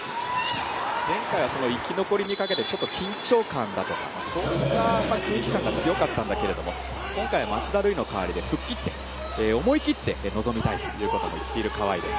前回は生き残りにかけて緊張感だとかそういった空気感が強かったんだけど今回、町田瑠唯の代わりで吹っ切って思い切って臨みたいということも放している川井です。